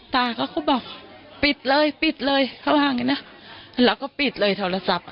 ตาเขาก็บอกปิดเลยปิดเลยเขาว่าอย่างนี้นะแล้วก็ปิดเลยโทรศัพท์